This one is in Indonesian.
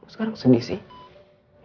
sekarang sedih sih